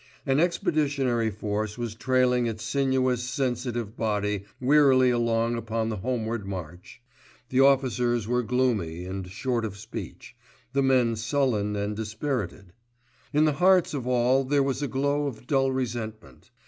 An expeditionary force was trailing its sinuous, sensitive body wearily along upon the homeward march. The officers were gloomy and short of speech, the men sullen and dispirited. In the hearts of all there was a glow of dull resentment.